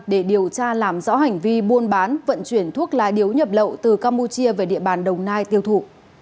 để điều tra làm rõ hành vi buôn bán vận chuyển thuốc lá điếu nhập lậu từ campuchia về địa bàn đồng nai tiêu thụ